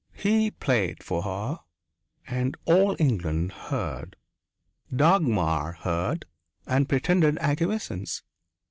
He played for her and all England heard. Dagmar heard and pretended acquiescence.